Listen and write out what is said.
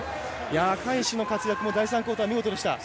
赤石の活躍も第３クオーター見事でした。